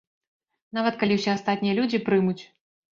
Нават калі ўсе астатнія людзі прымуць.